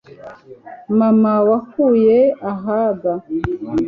mana wankuye ahaga